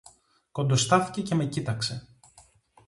Κοντοστάθηκε και με κοίταξε